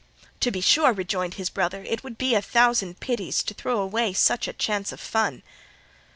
"To be sure," rejoined his brother; "it would be a thousand pities to throw away such a chance of fun."